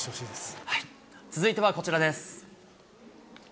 続いてはこちらです。